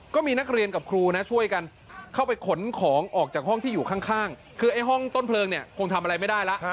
ก็มีนักเรียนกับครูนะช่วยกันเข้าไปขนของออกจากห้องที่อยู่ข้างคือไอ้ห้องต้นเพลิงเนี่ยคงทำอะไรไม่ได้แล้ว